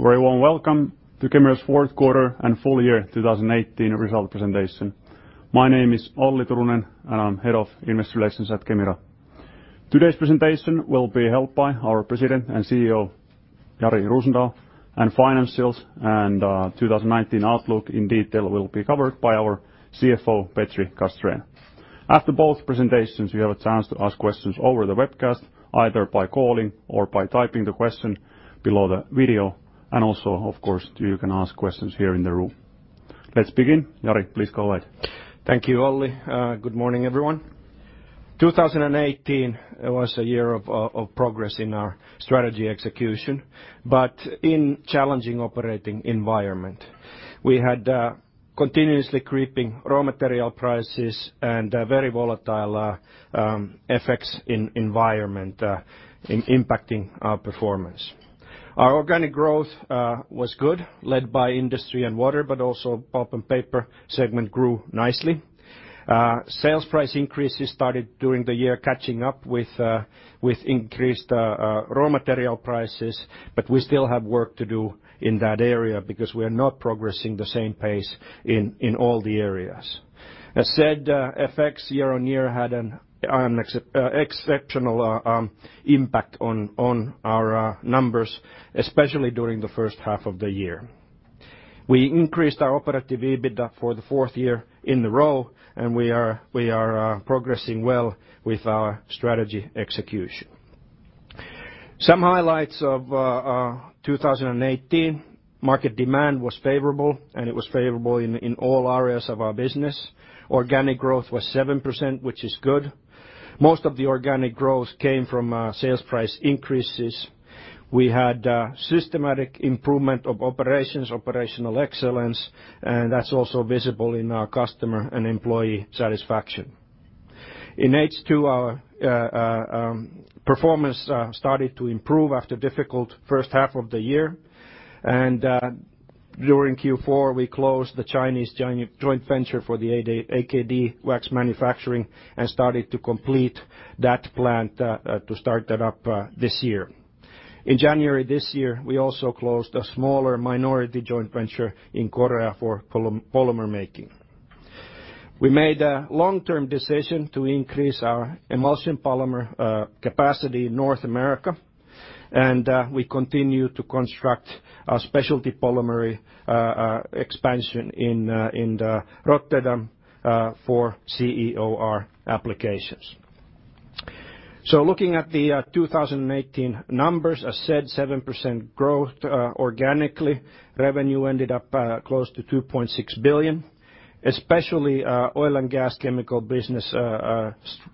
Very warm welcome to Kemira's fourth quarter and full year 2018 result presentation. My name is Olli Turunen, and I'm Head of Investor Relations at Kemira. Today's presentation will be held by our President and CEO, Jari Rosendal. Financials and our 2019 outlook in detail will be covered by our CFO, Petri Castrén. After both presentations, you have a chance to ask questions over the webcast, either by calling or by typing the question below the video. Also, of course, you can ask questions here in the room. Let's begin. Jari, please go ahead. Thank you, Olli. Good morning, everyone. 2018 was a year of progress in our strategy execution, in challenging operating environment. We had continuously creeping raw material prices and very volatile FX environment impacting our performance. Our organic growth was good, led by Industry & Water. Also, Pulp & Paper segment grew nicely. Sales price increases started during the year, catching up with increased raw material prices. We still have work to do in that area because we are not progressing the same pace in all the areas. As said, FX year-on-year had an exceptional impact on our numbers, especially during the first half of the year. We increased our operative EBITDA for the fourth year in a row. We are progressing well with our strategy execution. Some highlights of 2018. Market demand was favorable. It was favorable in all areas of our business. Organic growth was 7%, which is good. Most of the organic growth came from sales price increases. We had a systematic improvement of operations, operational excellence. That's also visible in our customer and employee satisfaction. In H2, our performance started to improve after difficult first half of the year. During Q4, we closed the Chinese joint venture for the AKD wax manufacturing and started to complete that plant to start that up this year. In January this year, we also closed a smaller minority joint venture in Korea for polymer making. We made a long-term decision to increase our emulsion polymer capacity in North America. We continue to construct our specialty polymer expansion in Rotterdam for CEOR applications. Looking at the 2018 numbers, as said, 7% growth organically. Revenue ended up close to 2.6 billion. Especially our oil and gas chemical business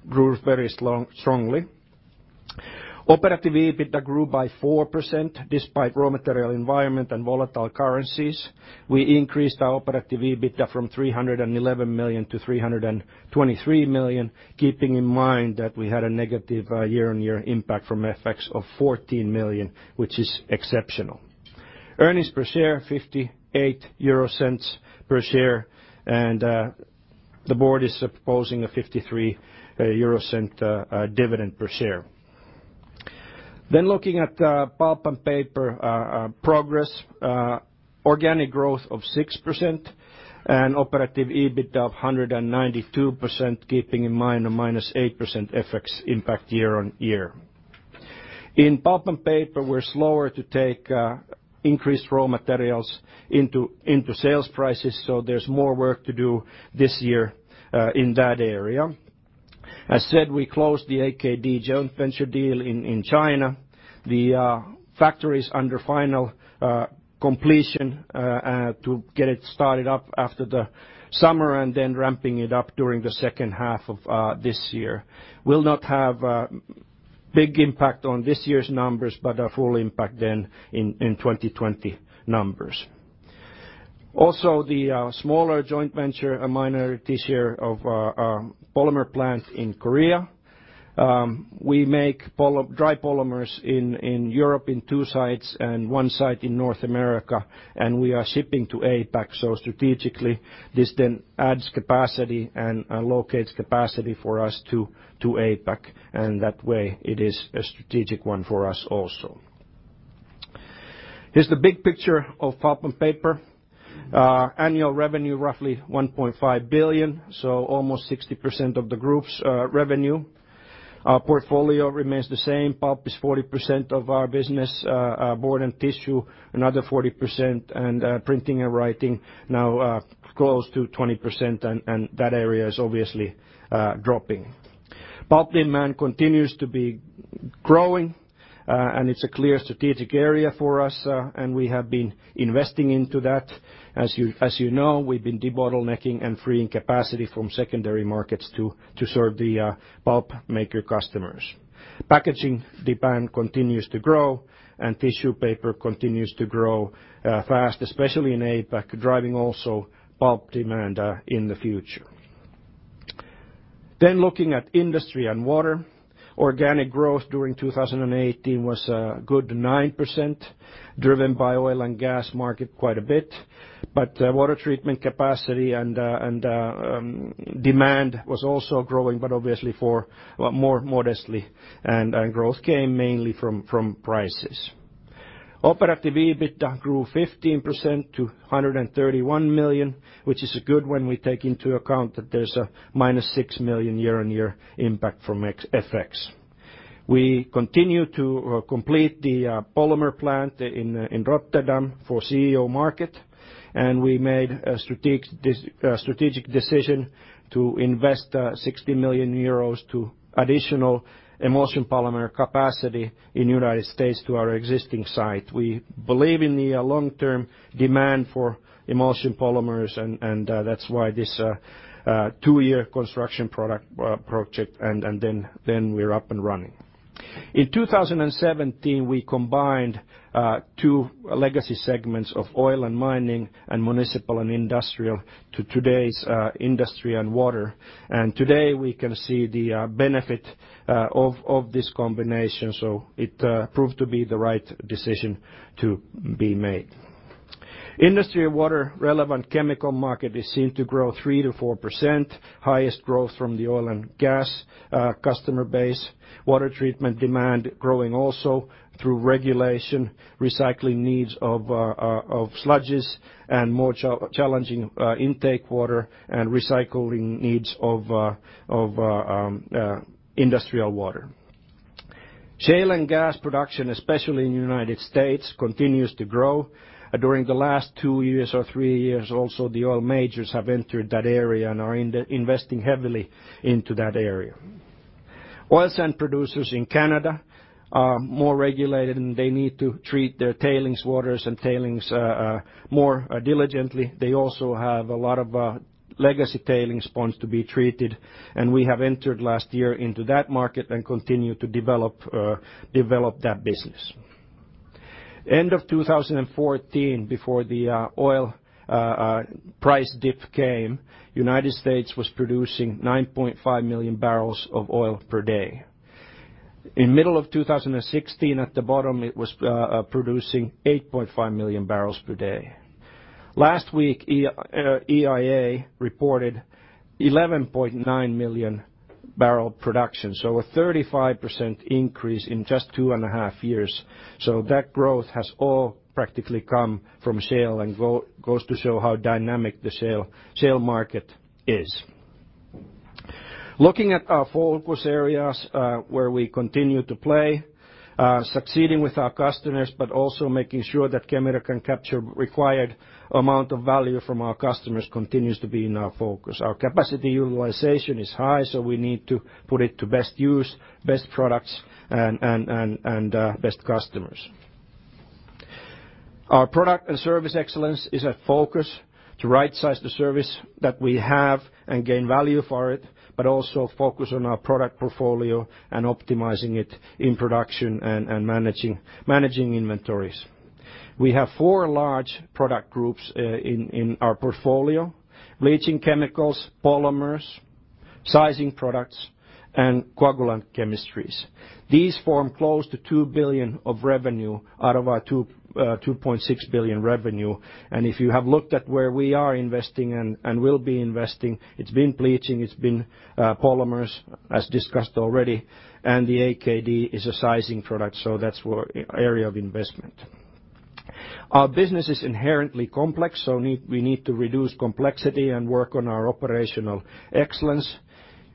grew very strongly. Operative EBITDA grew by 4%, despite raw material environment and volatile currencies. We increased our operative EBITDA from 311 million to 323 million, keeping in mind that we had a negative year-on-year impact from FX of 14 million, which is exceptional. Earnings per share, 0.58 per share. The board is proposing a 0.53 dividend per share. Looking at Pulp & Paper progress, organic growth of 6% and operative EBITDA of 192%, keeping in mind a -8% FX impact year-on-year. In Pulp & Paper, we're slower to take increased raw materials into sales prices. There's more work to do this year in that area. As said, we closed the AKD joint venture deal in China. The factory's under final completion to get it started up after the summer and ramping it up during the second half of this year. Will not have a big impact on this year's numbers, but a full impact in 2020 numbers. The smaller joint venture, a minority share of our polymer plant in Korea. We make dry polymers in Europe in 2 sites and 1 site in North America. We are shipping to APAC. Strategically, this adds capacity and locates capacity for us to APAC. That way it is a strategic one for us also. Here is the big picture of Pulp & Paper. Annual revenue, roughly 1.5 billion, almost 60% of the group's revenue. Our portfolio remains the same. Pulp is 40% of our business, board and tissue another 40%. Printing and writing now close to 20%. That area is obviously dropping. Pulp demand continues to be growing. It is a clear strategic area for us. We have been investing into that. As you know, we've been debottlenecking and freeing capacity from secondary markets to serve the pulp maker customers. Packaging demand continues to grow. Tissue paper continues to grow fast, especially in APAC, driving also pulp demand in the future. Looking at Industry & Water. Organic growth during 2018 was a good 9%, driven by oil and gas market quite a bit. Water treatment capacity and demand was also growing, but obviously more modestly. Growth came mainly from prices. Operative EBITDA grew 15% to 131 million, which is good when we take into account that there's a minus 6 million year-on-year impact from FX. We continue to complete the polymer plant in Rotterdam for CEOR market. We made a strategic decision to invest 60 million euros to additional emulsion polymer capacity in the U.S. to our existing site. We believe in the long-term demand for emulsion polymers. That's why this two-year construction project. We're up and running. In 2017, we combined 2 legacy segments of oil and mining and municipal and industrial to today's Industry & Water. Today we can see the benefit of this combination. It proved to be the right decision to be made. Industry & Water relevant chemical market is seen to grow 3%-4%, highest growth from the oil and gas customer base. Water treatment demand growing also through regulation, recycling needs of sludges, more challenging intake water and recycling needs of industrial water. Shale and gas production, especially in the U.S., continues to grow. During the last two years or three years, the oil majors have entered that area and are investing heavily into that area. Oil sand producers in Canada are more regulated. They need to treat their tailings waters and tailings more diligently. They have a lot of legacy tailings ponds to be treated. We have entered last year into that market and continue to develop that business. End of 2014, before the oil price dip came, the U.S. was producing 9.5 million barrels of oil per day. In middle of 2016, at the bottom, it was producing 8.5 million barrels per day. Last week, EIA reported 11.9 million barrel production, a 35% increase in just two and a half years. That growth has all practically come from shale and goes to show how dynamic the shale market is. Looking at our focus areas where we continue to play, succeeding with our customers, also making sure that Kemira can capture required amount of value from our customers continues to be in our focus. Our capacity utilization is high, we need to put it to best use, best products, and best customers. Our product and service excellence is a focus to rightsize the service that we have and gain value for it, also focus on our product portfolio and optimizing it in production and managing inventories. We have four large product groups in our portfolio, bleaching chemicals, polymers, sizing products, and coagulant chemistries. These form close to 2 billion of revenue out of our 2.6 billion revenue. If you have looked at where we are investing and will be investing, it's been bleaching, it's been polymers as discussed already, the AKD is a sizing product, that's area of investment. Our business is inherently complex, we need to reduce complexity and work on our operational excellence.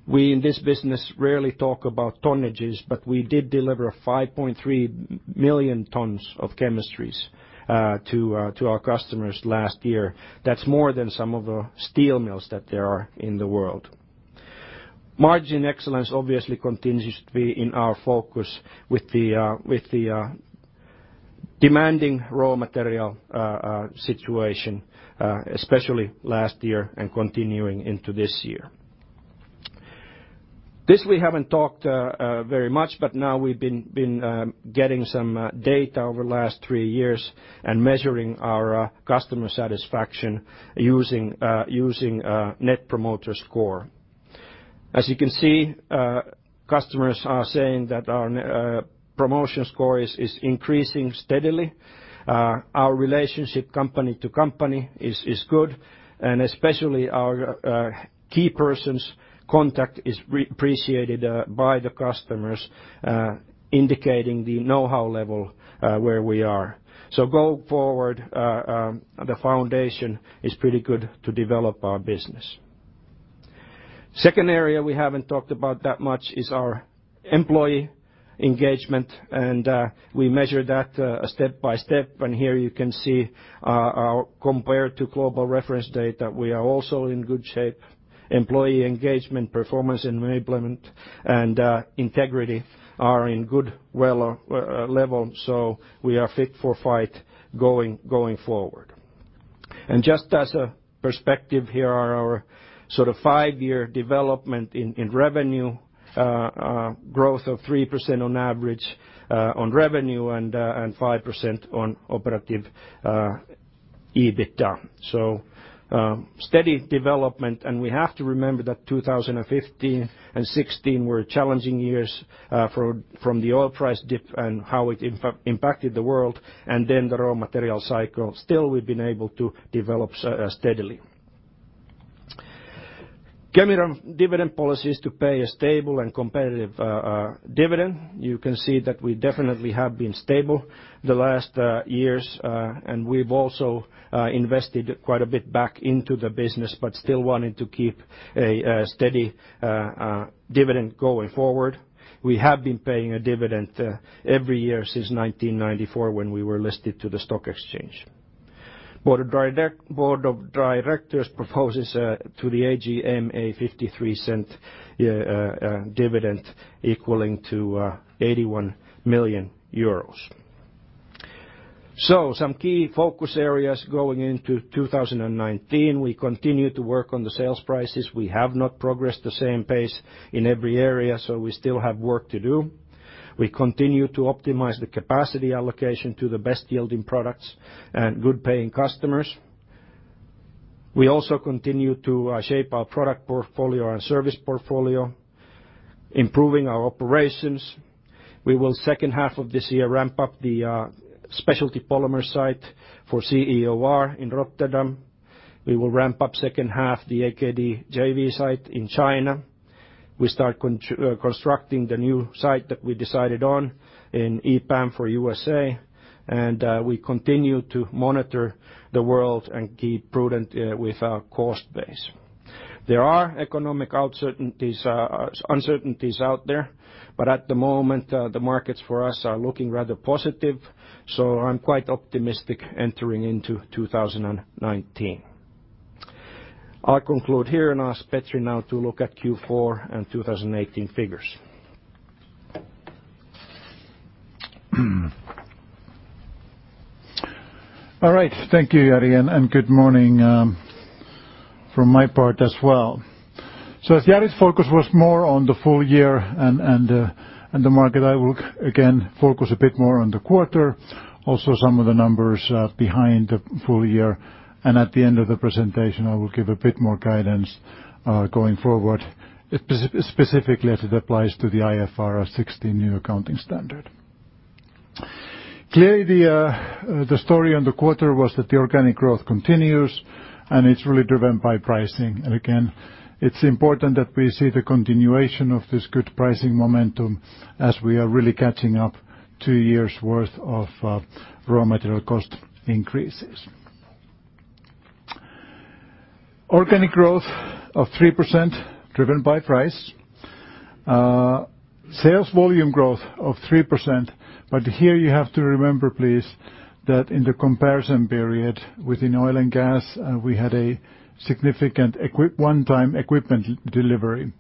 We, in this business, rarely talk about tonnages, we did deliver 5.3 million tons of chemistries to our customers last year. That's more than some of the steel mills that there are in the world. Margin excellence obviously continues to be in our focus with the demanding raw material situation, especially last year and continuing into this year. This we haven't talked very much, now we've been getting some data over the last three years and measuring our customer satisfaction using Net Promoter Score. As you can see, customers are saying that our promotion score is increasing steadily. Our relationship company to company is good, especially our key persons contact is appreciated by the customers, indicating the know-how level where we are. Go forward, the foundation is pretty good to develop our business. Second area we haven't talked about that much is our employee engagement, we measure that step by step. Here you can see our compare to global reference data. We are also in good shape. Employee engagement, performance enablement, and integrity are in good level. We are fit for fight going forward. Just as a perspective, here are our sort of five-year development in revenue, growth of 3% on average on revenue and 5% on operative EBITDA. Steady development, we have to remember that 2015 and 2016 were challenging years from the oil price dip and how it impacted the world then the raw material cycle. Still, we've been able to develop steadily. Kemira dividend policy is to pay a stable and competitive dividend. You can see that we definitely have been stable the last years, we've also invested quite a bit back into the business, still wanting to keep a steady dividend going forward. We have been paying a dividend every year since 1994, when we were listed to the stock exchange. Board of directors proposes to the AGM a 0.53 dividend equaling to 81 million euros. Some key focus areas going into 2019. We continue to work on the sales prices. We have not progressed the same pace in every area, we still have work to do. We continue to optimize the capacity allocation to the best yielding products and good-paying customers. We also continue to shape our product portfolio and service portfolio, improving our operations. We will, second half of this year, ramp up the specialty polymer site for CEOR in Rotterdam. We will ramp up second half the AKD JV site in China. We start constructing the new site that we decided on in EPAM for U.S.A., and we continue to monitor the world and keep prudent with our cost base. There are economic uncertainties out there, but at the moment, the markets for us are looking rather positive. I'm quite optimistic entering into 2019. I'll conclude here and ask Petri now to look at Q4 and 2018 figures. All right. Thank you, Jari, and good morning from my part as well. As Jari's focus was more on the full year and the market, I will, again, focus a bit more on the quarter, also some of the numbers behind the full year. At the end of the presentation, I will give a bit more guidance going forward, specifically as it applies to the IFRS 16 new accounting standard. Clearly, the story on the quarter was that the organic growth continues, and it's really driven by pricing. Again, it's important that we see the continuation of this good pricing momentum as we are really catching up two years' worth of raw material cost increases. Organic growth of 3% driven by price. Sales volume growth of 3%, but here you have to remember, please, that in the comparison period within oil and gas, we had a significant one-time equipment delivery.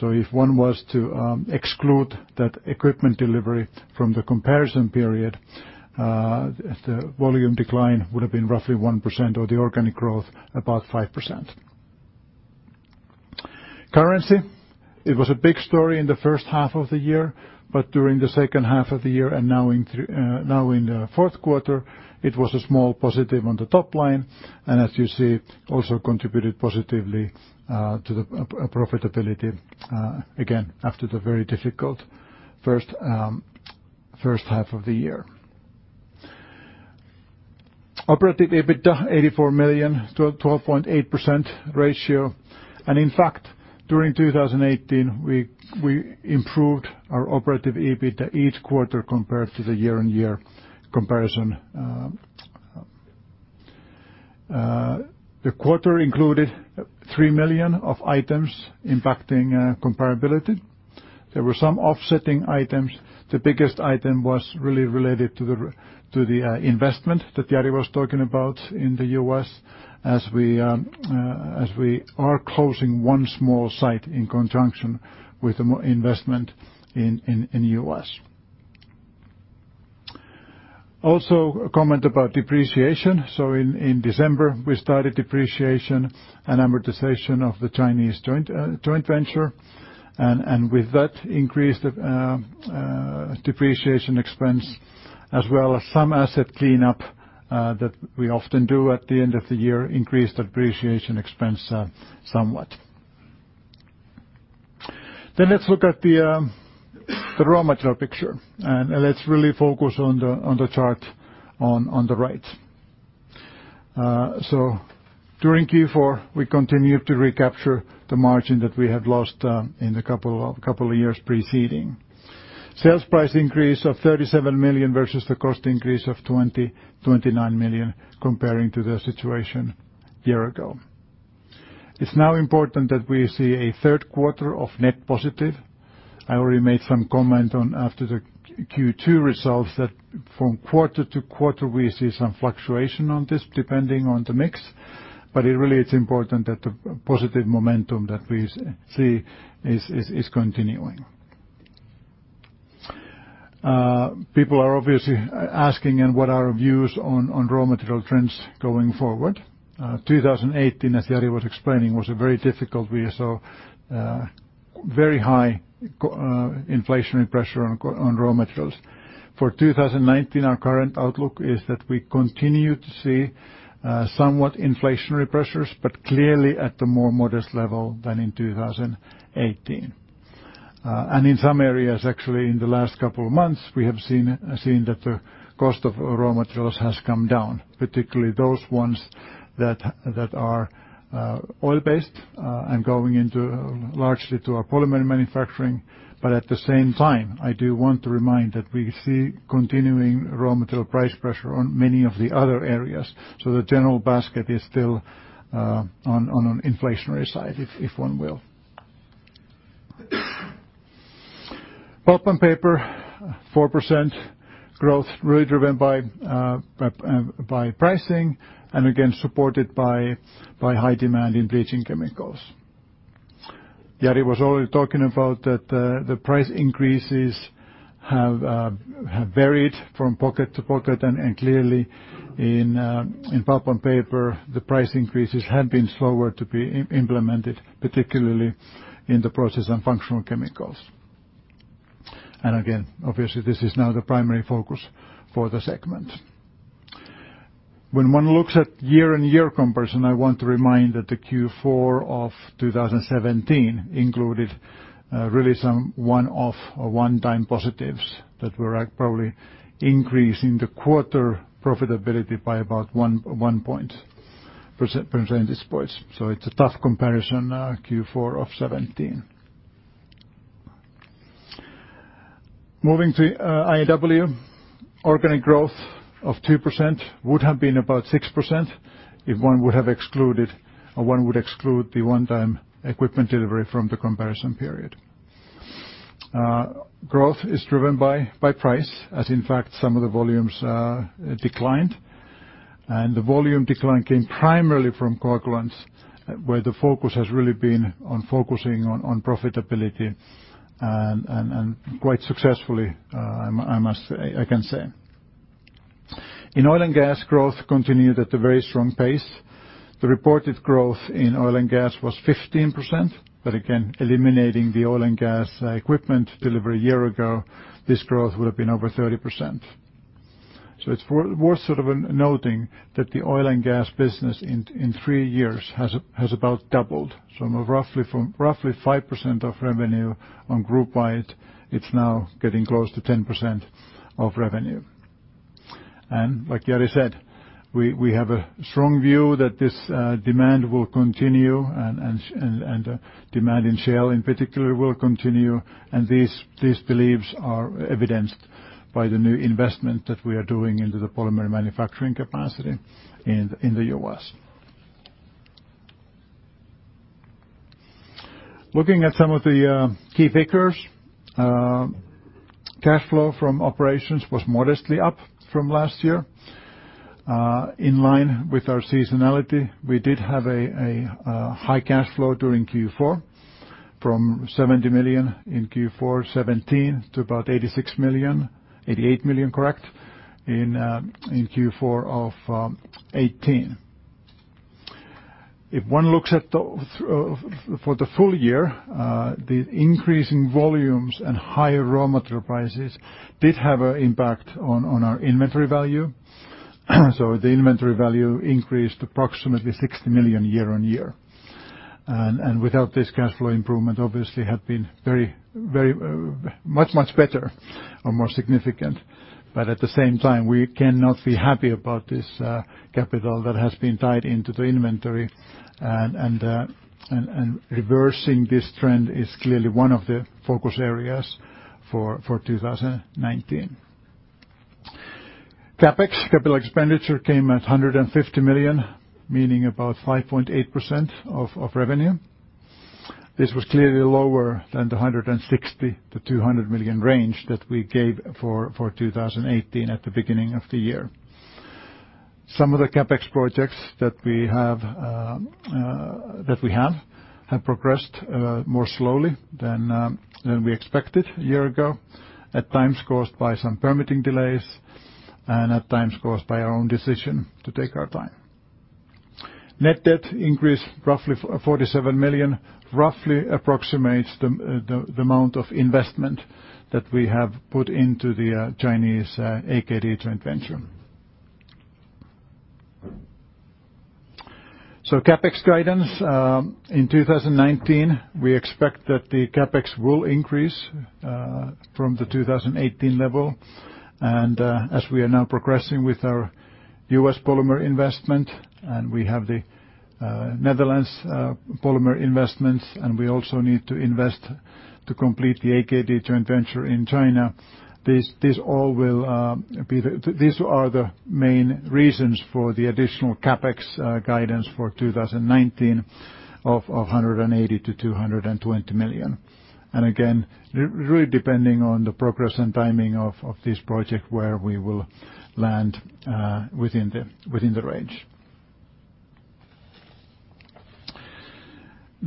If one was to exclude that equipment delivery from the comparison period, the volume decline would have been roughly 1%, or the organic growth about 5%. Currency, it was a big story in the first half of the year, but during the second half of the year and now in the fourth quarter, it was a small positive on the top line and, as you see, also contributed positively to the profitability, again, after the very difficult first half of the year. Operative EBITDA, 84 million, 12.8% ratio. In fact, during 2018, we improved our Operative EBITDA each quarter compared to the year-over-year comparison. The quarter included 3 million of items impacting comparability. There were some offsetting items. The biggest item was really related to the investment that Jari was talking about in the U.S., as we are closing one small site in conjunction with investment in U.S. Also, a comment about depreciation. In December, we started depreciation and amortization of the Chinese joint venture, and with that increased depreciation expense as well as some asset cleanup that we often do at the end of the year increased depreciation expense somewhat. Let's look at the raw material picture, let's really focus on the chart on the right. During Q4, we continued to recapture the margin that we had lost in the couple of years preceding. Sales price increase of 37 million versus the cost increase of 29 million comparing to the situation a year ago. It's now important that we see a third quarter of net positive. I already made some comment after the Q2 results that from quarter to quarter, we see some fluctuation on this depending on the mix, but really it's important that the positive momentum that we see is continuing. People are obviously asking what are our views on raw material trends going forward. 2018, as Jari was explaining, was very difficult. We saw very high inflationary pressure on raw materials. For 2019, our current outlook is that we continue to see somewhat inflationary pressures, but clearly at a more modest level than in 2018. In some areas, actually, in the last couple of months, we have seen that the cost of raw materials has come down, particularly those ones that are oil-based and going largely into our polymer manufacturing. At the same time, I do want to remind that we see continuing raw material price pressure on many of the other areas. So the general basket is still on an inflationary side, if one will. Pulp & Paper, 4% growth, really driven by pricing and again supported by high demand in bleaching chemicals. Jari was already talking about that the price increases have varied from pocket to pocket, and clearly in Pulp & Paper, the price increases have been slower to be implemented, particularly in the process and functional chemicals. Again, obviously, this is now the primary focus for the segment. When one looks at year-on-year comparison, I want to remind that the Q4 of 2017 included really some one-off or one-time positives that were probably increasing the quarter profitability by about one percentage point. So it's a tough comparison, Q4 of 2017. Moving to I&W. Organic growth of 2% would have been about 6% if one would exclude the one-time equipment delivery from the comparison period. Growth is driven by price, as in fact, some of the volumes declined. The volume decline came primarily from coagulants, where the focus has really been on profitability, and quite successfully, I can say. In oil and gas, growth continued at a very strong pace. The reported growth in oil and gas was 15%, but again, eliminating the oil and gas equipment delivery a year ago, this growth would have been over 30%. So it's worth noting that the oil and gas business in three years has about doubled. From roughly 5% of revenue on group wide, it's now getting close to 10% of revenue. Like Jari said, we have a strong view that this demand will continue and demand in shale, in particular, will continue, and these beliefs are evidenced by the new investment that we are doing into the polymer manufacturing capacity in the U.S. Looking at some of the key figures. Cash flow from operations was modestly up from last year. In line with our seasonality, we did have a high cash flow during Q4 from 70 million in Q4 2017 to about 88 million in Q4 of 2018. If one looks for the full year, the increase in volumes and higher raw material prices did have an impact on our inventory value. So the inventory value increased approximately 60 million year-on-year. Without this cash flow improvement, obviously had been much better or more significant. At the same time, we cannot be happy about this capital that has been tied into the inventory, and reversing this trend is clearly one of the focus areas for 2019. CapEx, capital expenditure came at 150 million, meaning about 5.8% of revenue. This was clearly lower than the 160 million-200 million range that we gave for 2018 at the beginning of the year. Some of the CapEx projects that we have have progressed more slowly than we expected a year ago, at times caused by some permitting delays, and at times caused by our own decision to take our time. Net debt increased roughly 47 million, roughly approximates the amount of investment that we have put into the Chinese AKD joint venture. CapEx guidance. In 2019, we expect that the CapEx will increase from the 2018 level. As we are now progressing with our U.S. polymer investment, and we have the Netherlands polymer investments, and we also need to invest to complete the AKD joint venture in China. These are the main reasons for the additional CapEx guidance for 2019 of 180 million-220 million. Again, really depending on the progress and timing of this project, where we will land within the range.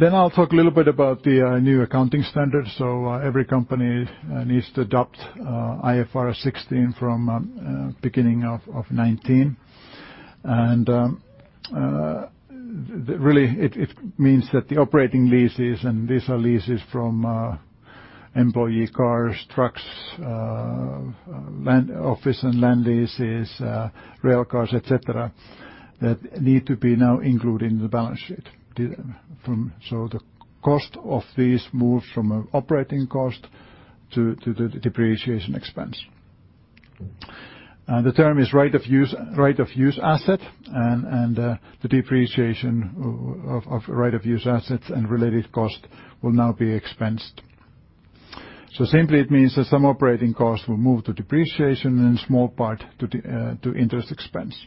I'll talk a little bit about the new accounting standards. Every company needs to adopt IFRS 16 from beginning of 2019. Really it means that the operating leases, and these are leases from employee cars, trucks, office and land leases, rail cars, et cetera. That need to be now included in the balance sheet. The cost of these moves from an operating cost to the depreciation expense. The term is right-of-use asset, and the depreciation of right-of-use assets and related cost will now be expensed. Simply it means that some operating costs will move to depreciation and small part to interest expense.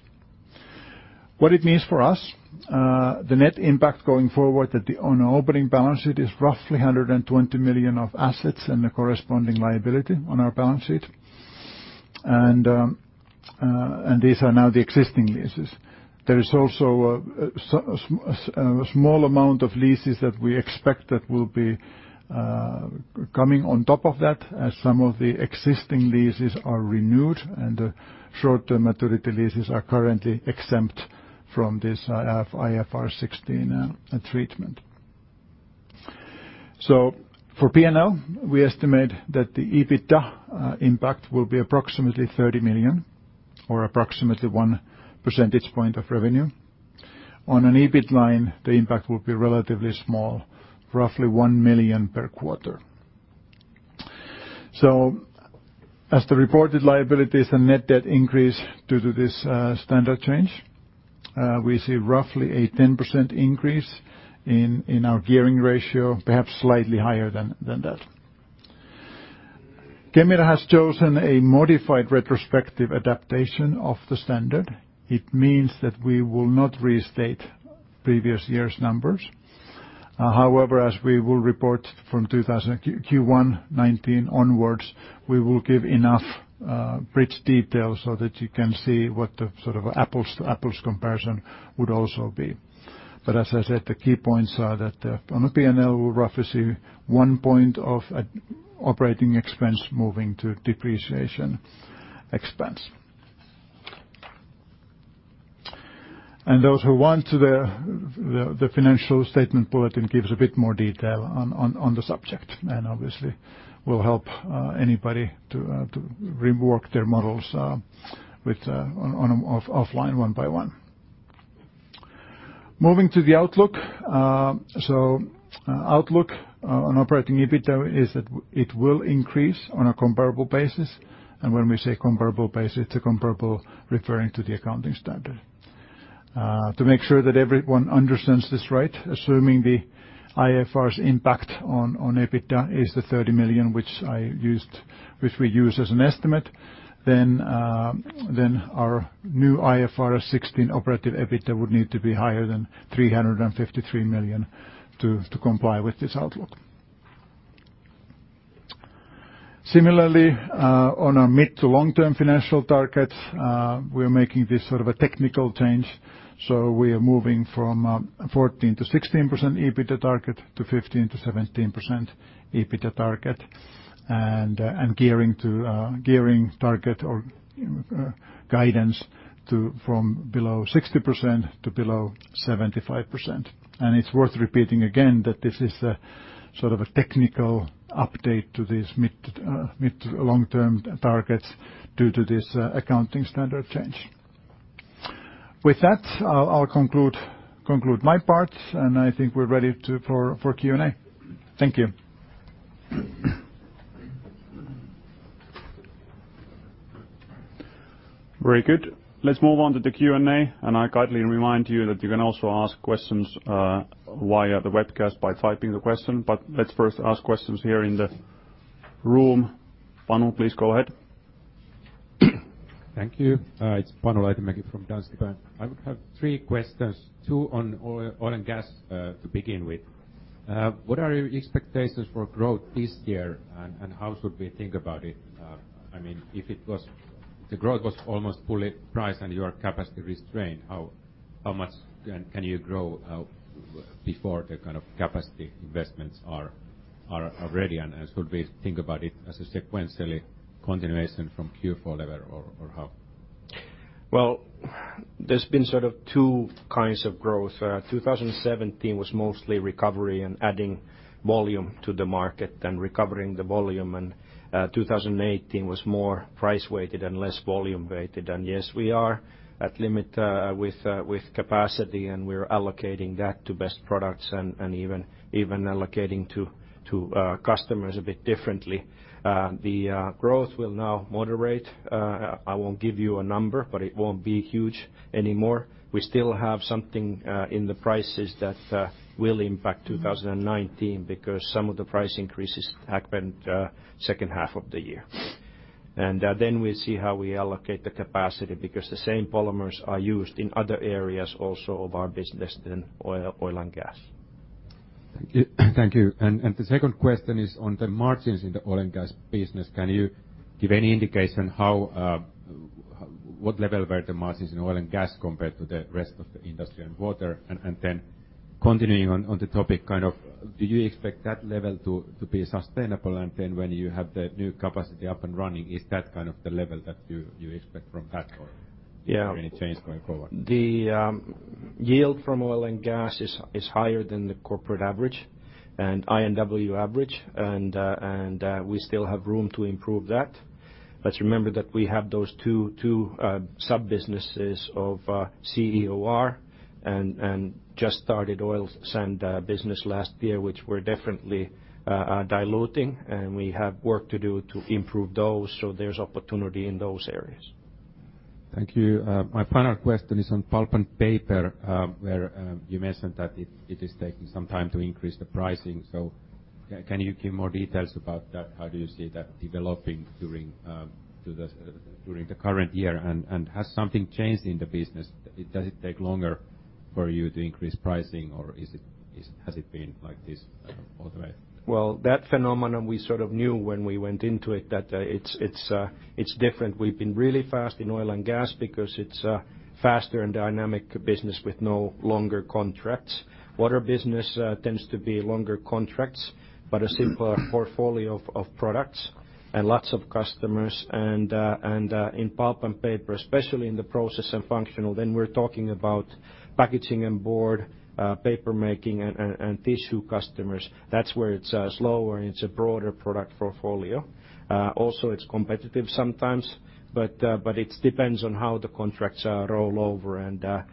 What it means for us, the net impact going forward on our opening balance sheet is roughly 120 million of assets and the corresponding liability on our balance sheet. These are now the existing leases. There is also a small amount of leases that we expect that will be coming on top of that as some of the existing leases are renewed and short-term maturity leases are currently exempt from this IFRS 16 treatment. For P&L, we estimate that the EBITDA impact will be approximately 30 million or approximately one percentage point of revenue. On an EBIT line, the impact will be relatively small, roughly 1 million per quarter. As the reported liabilities and net debt increase due to this standard change, we see roughly a 10% increase in our gearing ratio, perhaps slightly higher than that. Kemira has chosen a modified retrospective adaptation of the standard. It means that we will not restate previous year's numbers. However, as we will report from Q1 2019 onwards, we will give enough bridge details so that you can see what the apples-to-apples comparison would also be. As I said, the key points are that on a P&L, we'll roughly see one point of operating expense moving to depreciation expense. Those who want, the financial statement bulletin gives a bit more detail on the subject and obviously will help anybody to rework their models offline one by one. Moving to the outlook. Outlook on operating EBITDA is that it will increase on a comparable basis. When we say comparable basis, the comparable referring to the accounting standard. To make sure that everyone understands this right, assuming the IFRS impact on EBITDA is the 30 million which we use as an estimate, then our new IFRS 16 operative EBITDA would need to be higher than 353 million to comply with this outlook. Similarly, on our mid to long-term financial targets, we're making this sort of a technical change. We are moving from 14%-16% EBITDA target to 15%-17% EBITDA target and gearing target or guidance from below 60% to below 75%. It's worth repeating again that this is a technical update to these mid to long-term targets due to this accounting standard change. With that, I'll conclude my part, I think we're ready for Q&A. Thank you. Very good. Let's move on to the Q&A. I kindly remind you that you can also ask questions via the webcast by typing the question, let's first ask questions here in the room. Panu, please go ahead. Thank you. It's Panu Raitamäki from Danske Bank. I would have 3 questions, 2 on oil and gas to begin with. What are your expectations for growth this year, how should we think about it? If the growth was almost fully price and your capacity restraint, how much can you grow before the capacity investments are ready? Should we think about it as a sequentially continuation from Q4 level or how? Well, there's been two kinds of growth. 2017 was mostly recovery and adding volume to the market and recovering the volume, 2018 was more price weighted and less volume weighted. Yes, we are at limit with capacity, and we're allocating that to best products and even allocating to customers a bit differently. The growth will now moderate. I won't give you a number, but it won't be huge anymore. We still have something in the prices that will impact 2019 because some of the price increases happened second half of the year. Then we'll see how we allocate the capacity because the same polymers are used in other areas also of our business than oil and gas. Thank you. The second question is on the margins in the oil and gas business. Can you give any indication what level were the margins in oil and gas compared to the rest of the Industry & Water? Continuing on the topic, do you expect that level to be sustainable? When you have the new capacity up and running, is that the level that you expect from that or any change going forward? Yield from oil and gas is higher than the corporate average and I&W average, and we still have room to improve that. Remember that we have those two sub-businesses of CEOR and just started oil sand business last year, which we're definitely diluting, and we have work to do to improve those, so there's opportunity in those areas. Thank you. My final question is on Pulp & Paper, where you mentioned that it is taking some time to increase the pricing. Can you give more details about that? How do you see that developing during the current year, and has something changed in the business? Does it take longer for you to increase pricing, or has it been like this all the way? That phenomenon we sort of knew when we went into it that it's different. We've been really fast in oil and gas because it's a faster and dynamic business with no longer contracts. Water business tends to be longer contracts, but a simpler portfolio of products and lots of customers. In Pulp & Paper, especially in the process and functional, then we're talking about packaging and board paper making and tissue customers. That's where it's slower, and it's a broader product portfolio. Also it's competitive sometimes, but it depends on how the contracts roll over.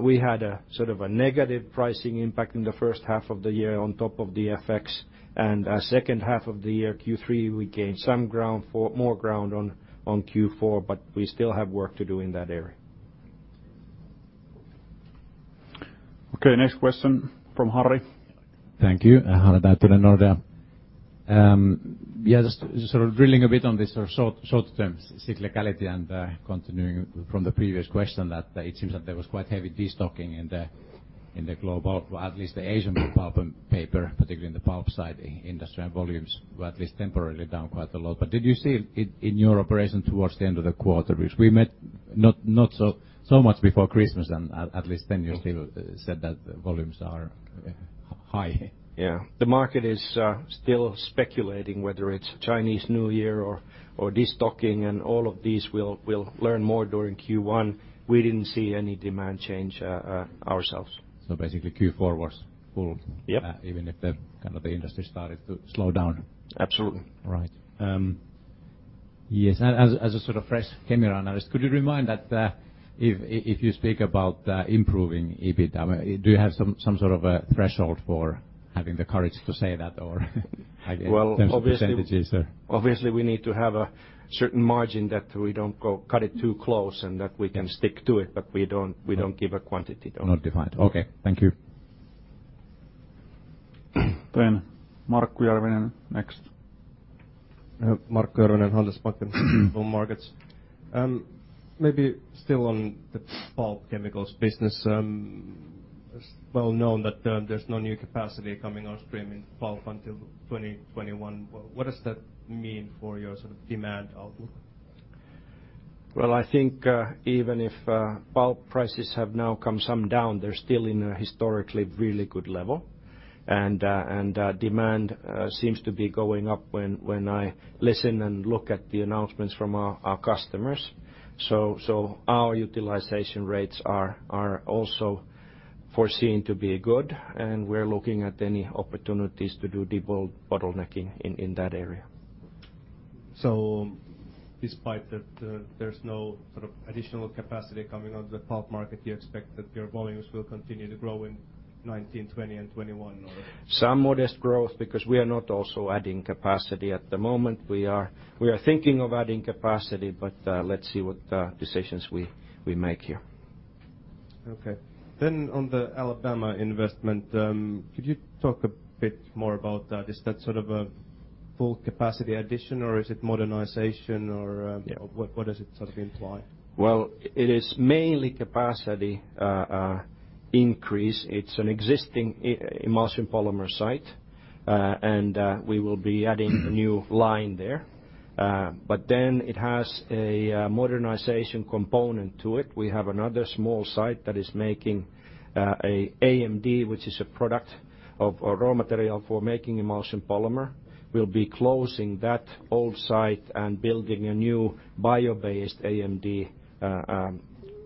We had a sort of a negative pricing impact in the first half of the year on top of the FX and second half of the year, Q3, we gained some more ground on Q4, but we still have work to do in that area. Next question from Harri. Thank you, Harri Batalla, Nordea. Just sort of drilling a bit on this sort of short-term cyclicality and continuing from the previous question that it seems that there was quite heavy destocking in the global, at least the Asian Pulp & Paper, particularly in the pulp side, industrial volumes were at least temporarily down quite a lot. Did you see in your operation towards the end of the quarter, which we met not so much before Christmas and, at least then you still said that the volumes are high. The market is still speculating whether it's Chinese New Year or destocking and all of these we'll learn more during Q1. We didn't see any demand change ourselves. Basically Q4 was Yep even if the kind of the industry started to slow down. Absolutely. Right. Yes, as a sort of fresh Kemira analyst, could you remind that if you speak about improving EBITDA, do you have some sort of a threshold for having the courage to say that? Or in terms of percentages? We need to have a certain margin that we don't go cut it too close and that we can stick to it, but we don't give a quantity on it. Not defined. Okay. Thank you. Markku Järvinen next. Markku Järvinen, Handelsbanken Capital Markets. Maybe still on the pulp chemicals business. It's well known that there's no new capacity coming on stream in pulp until 2021. What does that mean for your sort of demand outlook? Well, I think even if pulp prices have now come some down, they're still in a historically really good level. Demand seems to be going up when I listen and look at the announcements from our customers. Our utilization rates are also foreseen to be good, and we're looking at any opportunities to do debottlenecking in that area. Despite that there's no sort of additional capacity coming onto the pulp market, you expect that your volumes will continue to grow in 2019, 2020, and 2021, or? Some modest growth because we are not also adding capacity at the moment. We are thinking of adding capacity, but let's see what decisions we make here. Okay. On the Alabama investment, could you talk a bit more about that? Is that sort of a full capacity addition or is it modernization or Yeah what does it sort of imply? Well, it is mainly capacity increase. It's an existing emulsion polymer site. We will be adding a new line there. It has a modernization component to it. We have another small site that is making AKD, which is a product of a raw material for making emulsion polymer. We'll be closing that old site and building a new bio-based AKD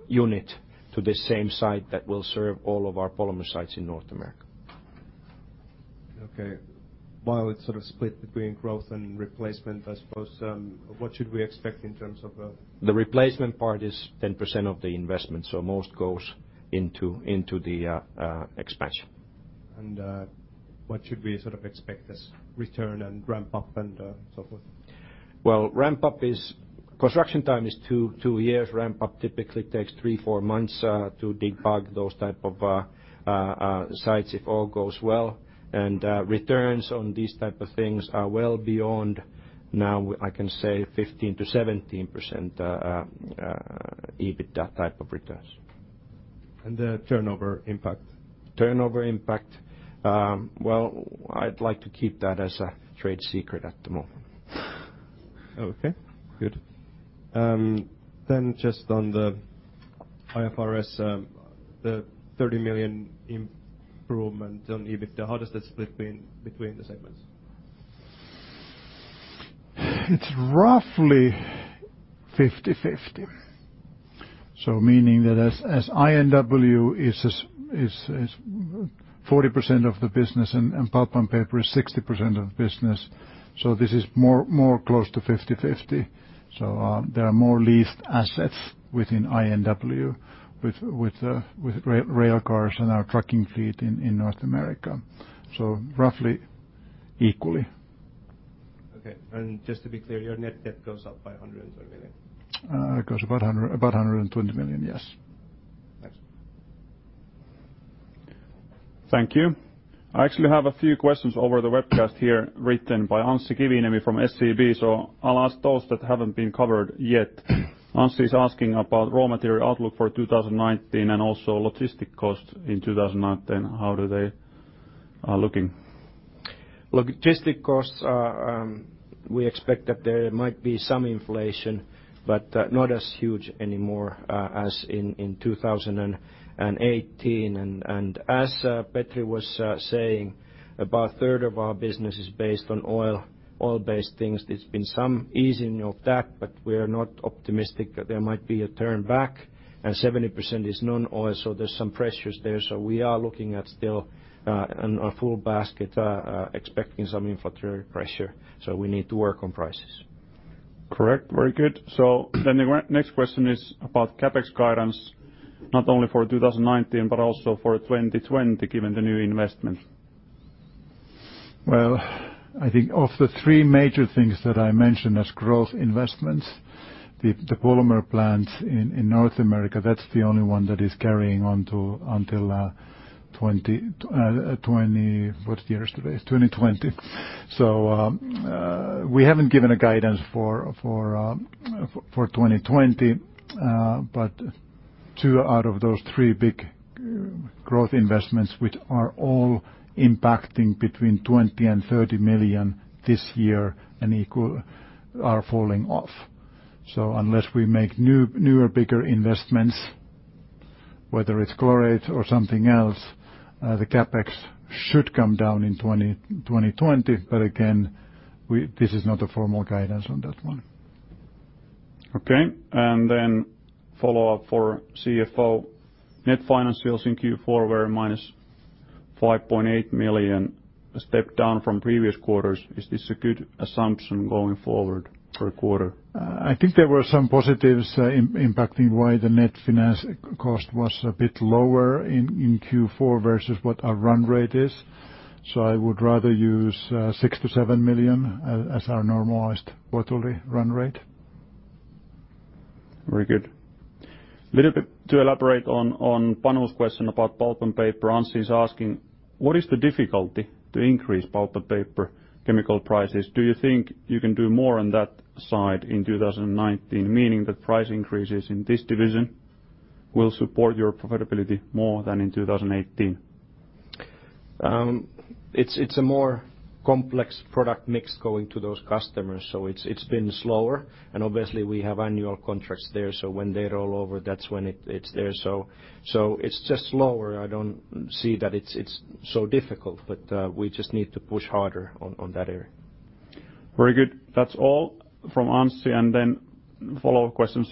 unit to the same site that will serve all of our polymer sites in North America. Okay. While it's sort of split between growth and replacement, I suppose, what should we expect in terms of- The replacement part is 10% of the investment, most goes into the expansion. What should we sort of expect as return and ramp up and so forth? Well, Construction time is 2 years. Ramp up typically takes three, four months to debug those type of sites if all goes well. Returns on these type of things are well beyond now I can say 15%-17% EBITDA type of returns. The turnover impact? Turnover impact, well, I'd like to keep that as a trade secret at the moment. Okay, good. Just on the IFRS, the 30 million improvement on EBITDA, how does that split between the segments? It's roughly 50/50. Meaning that as I&W is 40% of the business and Pulp & Paper is 60% of the business, this is more close to 50/50. There are more leased assets within I&W with rail cars and our trucking fleet in North America. Roughly equally. Okay. Just to be clear, your net debt goes up by 120 million. It goes about 120 million, yes. Thanks. Thank you. I actually have a few questions over the webcast here written by Anssi Kiviniemi from SEB, I'll ask those that haven't been covered yet. Anssi is asking about raw material outlook for 2019 and also logistic cost in 2019. How do they, are looking? Logistic costs, we expect that there might be some inflation, but not as huge anymore as in 2018. As Petri was saying, about a third of our business is based on oil-based things. There's been some easing of that, we are not optimistic that there might be a turn back. 70% is non-oil, there's some pressures there. We are looking at still, on a full basket, expecting some inflationary pressure. We need to work on prices. Correct. Very good. The next question is about CapEx guidance, not only for 2019 but also for 2020, given the new investment. I think of the three major things that I mentioned as growth investments, the polymer plants in North America, that's the only one that is carrying on until 20 What year is today? It's 2020. We haven't given a guidance for 2020. Two out of those three big growth investments, which are all impacting between 20 million and 30 million this year and equal, are falling off. Unless we make newer, bigger investments, whether it's chlorate or something else, the CapEx should come down in 2020. Again, this is not a formal guidance on that one. Okay. Follow-up for CFO. Net financials in Q4 were minus 5.8 million, a step down from previous quarters. Is this a good assumption going forward per quarter? I think there were some positives impacting why the net finance cost was a bit lower in Q4 versus what our run rate is. I would rather use 6 million-7 million as our normalized quarterly run rate. Very good. A little bit to elaborate on Panu's question about Pulp & Paper. Anssi is asking, what is the difficulty to increase Pulp & Paper chemical prices? Do you think you can do more on that side in 2019? Meaning that price increases in this division will support your profitability more than in 2018. It's a more complex product mix going to those customers. It's been slower, and obviously we have annual contracts there, so when they roll over, that's when it's there. It's just slower. I don't see that it's so difficult. We just need to push harder on that area. Very good. That's all from Anssi, and then follow-up questions,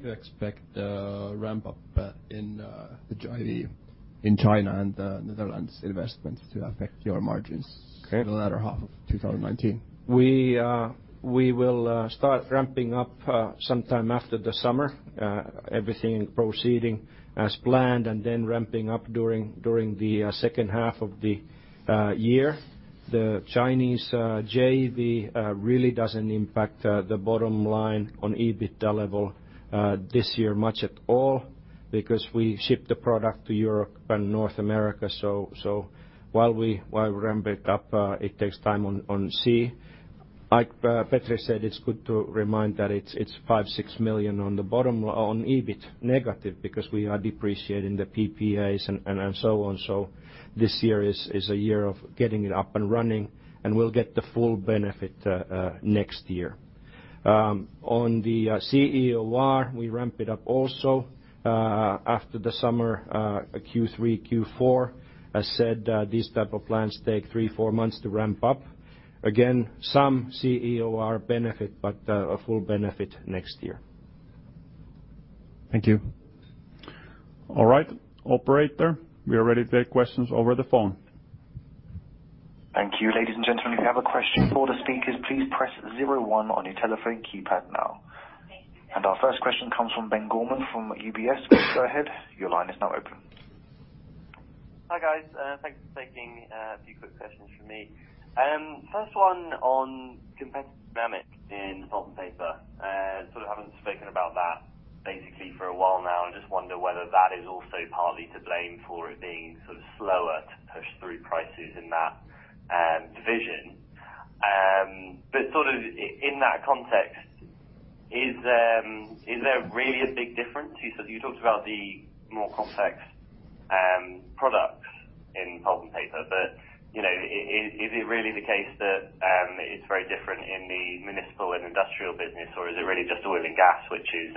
Petri. Yes. Good afternoon, Indras. Can you remind us how you expect the ramp-up in the JV in China and the Netherlands investment to affect your margins Okay. for the latter half of 2019? We will start ramping up sometime after the summer. Everything proceeding as planned and then ramping up during the second half of the year. The Chinese JV really doesn't impact the bottom line on EBITDA level, this year much at all because we ship the product to Europe and North America. While we ramp it up, it takes time on sea. Like Petri said, it's good to remind that it's 5 million, 6 million on the bottom on EBIT negative because we are depreciating the PPAs and so on. This year is a year of getting it up and running, and we'll get the full benefit next year. On the CEOR, we ramp it up also, after the summer, Q3, Q4. As said, these type of plans take three, four months to ramp up. Again, some CEOR benefit, but a full benefit next year. Thank you. All right, operator, we are ready to take questions over the phone. Thank you. Ladies and gentlemen, if you have a question for the speakers, please press 01 on your telephone keypad now. Our first question comes from Ben Gorman from UBS. Go ahead. Your line is now open. Hi, guys. Thanks for taking a few quick questions from me. First one on competitive dynamic in Pulp & Paper. Sort of haven't spoken about that basically for a while now, just wonder whether that is also partly to blame for it being sort of slower to push through prices in that division. Sort of in that context, is there really a big difference? You said you talked about the more complex, product in Pulp & Paper, is it really the case that it's very different in the municipal and industrial business, or is it really just oil and gas, which is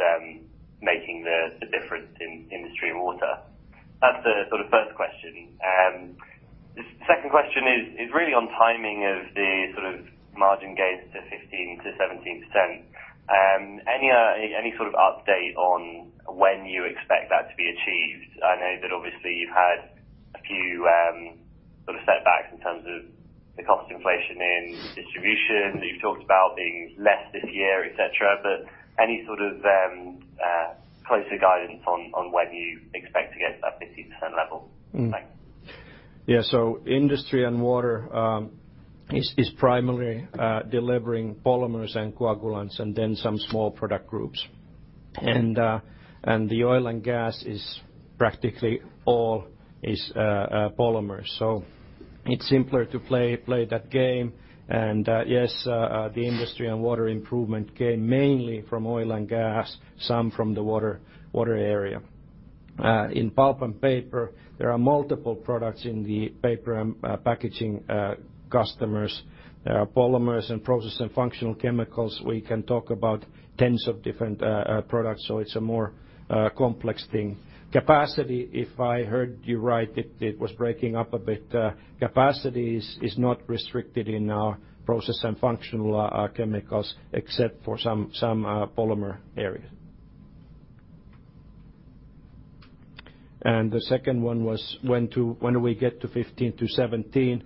making the difference in Industry & Water? That's the first question. The second question is really on timing of the margin gains to 15%-17%. Any sort of update on when you expect that to be achieved? I know that obviously you've had a few sort of setbacks in terms of the cost inflation in distribution that you've talked about being less this year, et cetera, any sort of closer guidance on when you expect to get to that 15% level? Thanks. Yeah. Industry & Water is primarily delivering polymers and coagulants and then some small product groups. The oil and gas is practically all is polymers. It's simpler to play that game. Yes, the Industry & Water improvement came mainly from oil and gas, some from the water area. In Pulp & Paper, there are multiple products in the paper and packaging customers. Polymers and Process and Functional Chemicals, we can talk about tens of different products, so it's a more complex thing. Capacity, if I heard you right, it was breaking up a bit. Capacity is not restricted in our Process and Functional Chemicals except for some polymer areas. The second one was when do we get to 15%-17%?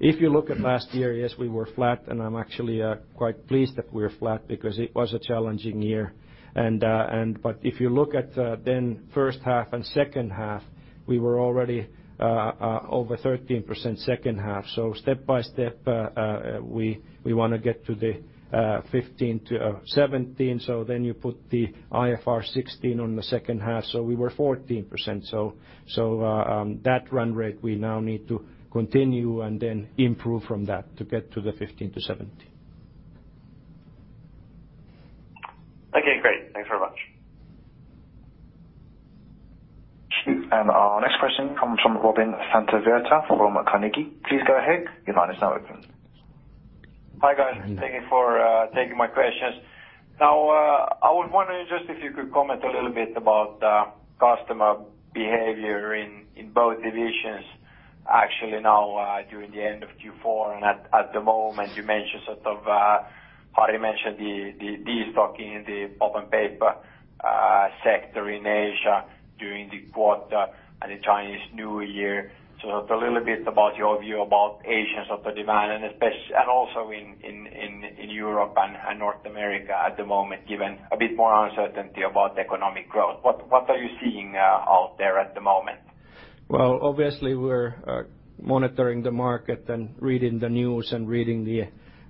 If you look at last year, yes, we were flat, and I'm actually quite pleased that we're flat because it was a challenging year. If you look at then first half and second half, we were already over 13% second half. Step by step, we want to get to the 15%-17%. You put the IFRS 16 on the second half, we were 14%. That run rate we now need to continue and then improve from that to get to the 15%-17%. Okay, great. Thanks very much. Our next question comes from Robin Santavirta from Carnegie. Please go ahead. Your line is now open. Hi, guys. Thank you for taking my questions. I was wondering just if you could comment a little bit about customer behavior in both divisions. During the end of Q4 and at the moment, you mentioned Jari mentioned the destocking in the Pulp & Paper sector in Asia during the quarter and the Chinese New Year. Just a little bit about your view about demand in Asia, and also in Europe and North America at the moment, given a bit more uncertainty about economic growth. What are you seeing out there at the moment? Obviously, we're monitoring the market and reading the news and reading the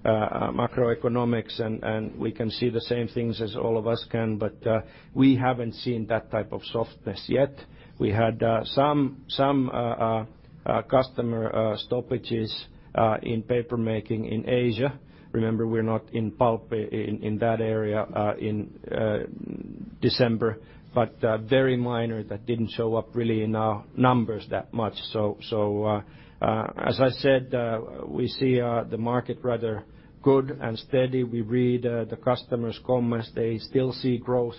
macroeconomics and we can see the same things as all of us can, but we haven't seen that type of softness yet. We had some customer stoppages in paper-making in Asia. Remember, we're not in pulp in that area in December, but very minor that didn't show up really in our numbers that much. As I said, we see the market rather good and steady. We read the customers' comments. They still see growth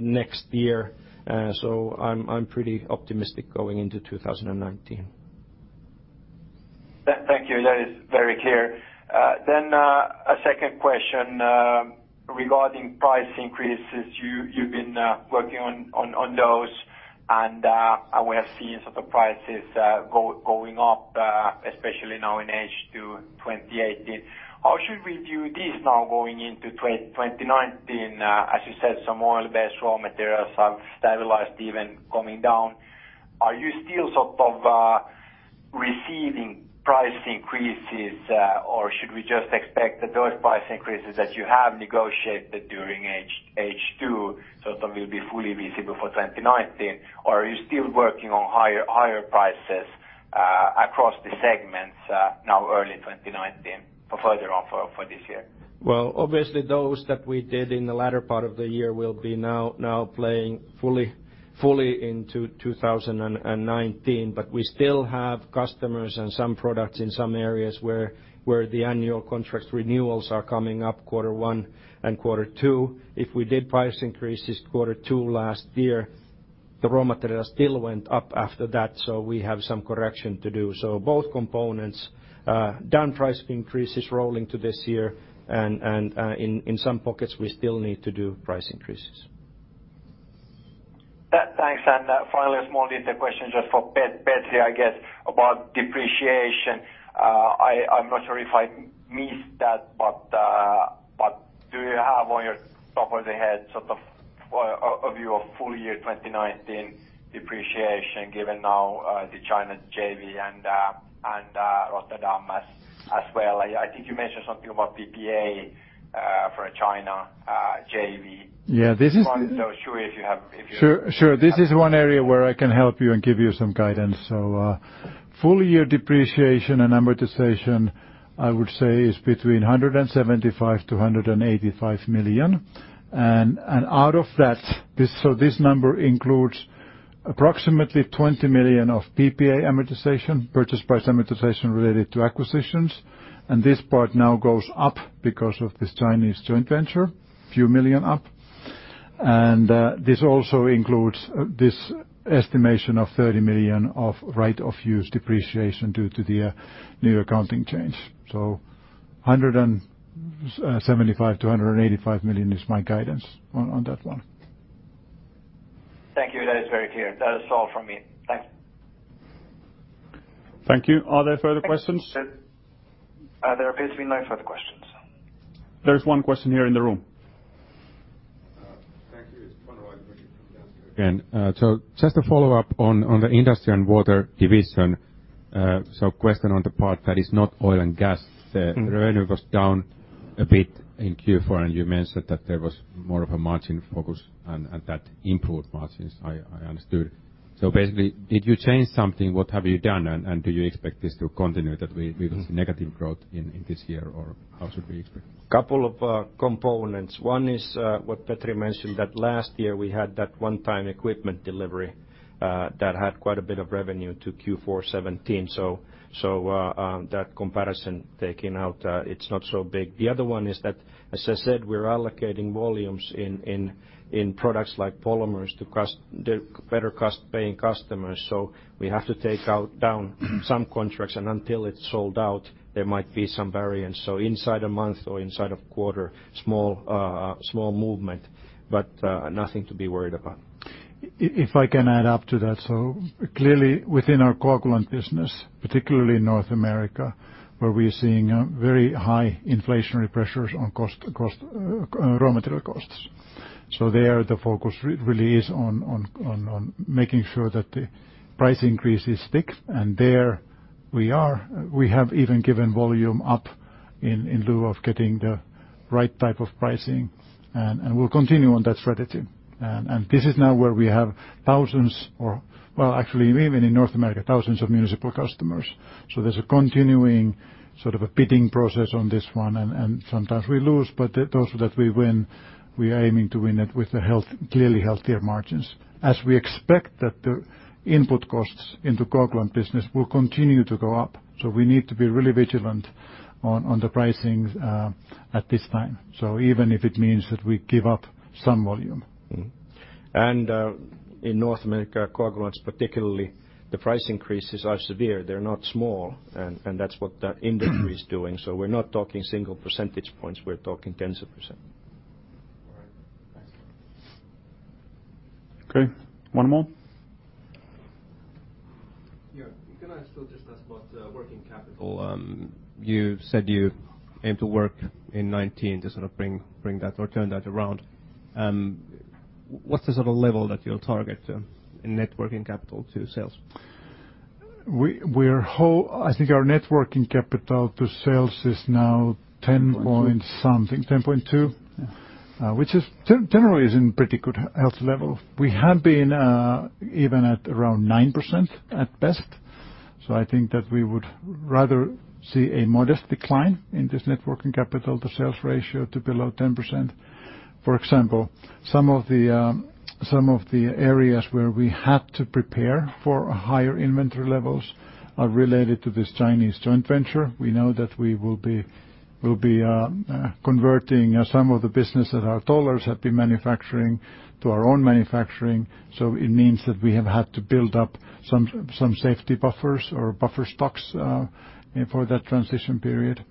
next year. I'm pretty optimistic going into 2019. Thank you. That is very clear. A second question regarding price increases. You've been working on those, and we have seen prices going up, especially now in H2 2018. How should we view this now going into 2019? As you said, some oil-based raw materials have stabilized, even coming down. Are you still receiving price increases or should we just expect that those price increases that you have negotiated during H2 will be fully visible for 2019? Are you still working on higher prices across the segments now early 2019 or further on for this year? Obviously those that we did in the latter part of the year will be now playing fully into 2019. We still have customers and some products in some areas where the annual contract renewals are coming up quarter one and quarter two. If we did price increases quarter two last year, the raw material still went up after that, we have some correction to do. Both components, done price increases rolling to this year and in some pockets, we still need to do price increases. Finally, a small little question just for Petri, I guess, about depreciation. I'm not sure if I missed that, but do you have on your top of the head sort of a view of full year 2019 depreciation given now the China JV and Rotterdam as well? I think you mentioned something about PPA for a China JV. Yeah. This is... Sure if you have... Sure. This is one area where I can help you and give you some guidance. Full year depreciation and amortization, I would say is between 175 million-185 million. Out of that, this number includes approximately 20 million of PPA amortization, purchase price amortization related to acquisitions. This part now goes up because of this Chinese joint venture, a few million EUR up. This also includes this estimation of 30 million of right of use depreciation due to the new accounting change. 175 million-185 million is my guidance on that one. Thank you. That is very clear. That is all from me. Thanks. Thank you. Are there further questions? There appears to be no further questions. There's one question here in the room. Thank you. It's from downstairs. Just a follow-up on the Industry & Water division. Question on the part that is not oil and gas. The revenue was down a bit in Q4, and you mentioned that there was more of a margin focus and that improved margins, I understood. Basically, did you change something? What have you done, and do you expect this to continue that way- with negative growth in this year, or how should we expect? A couple of components. One is what Petri mentioned, that last year we had that one-time equipment delivery that had quite a bit of revenue to Q4 2017. That comparison, taking out, it's not so big. The other one is that, as I said, we're allocating volumes in products like polymers to better paying customers. We have to take down some contracts, and until it's sold out, there might be some variance. Inside a month or inside a quarter, small movement, but nothing to be worried about. If I can add up to that, clearly within our coagulant business, particularly in North America, where we are seeing very high inflationary pressures on raw material costs. There the focus really is on making sure that the price increase sticks, and there we have even given volume up in lieu of getting the right type of pricing, and we'll continue on that strategy. This is now where we have thousands or, well, actually even in North America, thousands of municipal customers. There's a continuing sort of a bidding process on this one, and sometimes we lose, but those that we win, we are aiming to win it with clearly healthier margins. As we expect that the input costs into the coagulant business will continue to go up. We need to be really vigilant on the pricing at this time. Even if it means that we give up some volume. In North America, coagulants particularly, the price increases are severe. They're not small, and that's what that industry is doing. We're not talking single percentage points, we're talking tens of %. All right. Thanks. Okay, one more. Yeah. Can I still just ask about working capital? You said you aim to work in 2019 to sort of bring that or turn that around. What's the sort of level that you'll target in net working capital to sales? I think our net working capital to sales is now 10 point something, 10.2. Yeah. Which generally is in pretty good health level. We have been even at around 9% at best. I think that we would rather see a modest decline in this net working capital to sales ratio to below 10%. For example, some of the areas where we had to prepare for higher inventory levels are related to this Chinese joint venture. We know that we will be converting some of the business that our dollars have been manufacturing to our own manufacturing. It means that we have had to build up some safety buffers or buffer stocks for that transition period.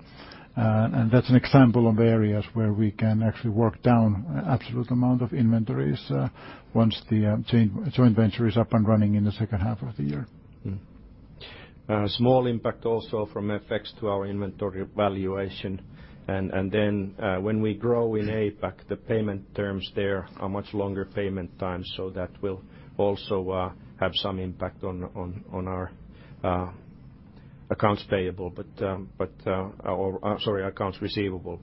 That's an example of areas where we can actually work down absolute amount of inventories once the joint venture is up and running in the second half of the year. A small impact also from FX to our inventory valuation. When we grow in APAC, the payment terms there are much longer payment times. That will also have some impact on our accounts payable, or, I'm sorry, accounts receivable.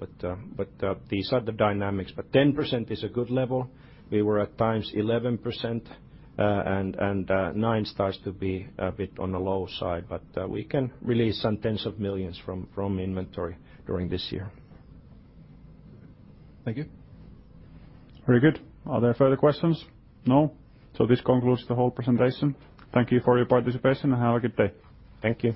These are the dynamics, but 10% is a good level. We were at times 11%, and 9% starts to be a bit on the low side. We can release some EUR tens of millions from inventory during this year. Thank you. Very good. Are there further questions? No. This concludes the whole presentation. Thank you for your participation and have a good day. Thank you.